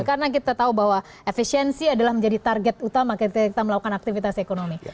karena kita tahu bahwa efisiensi adalah menjadi target utama ketika kita melakukan aktivitas ekonomi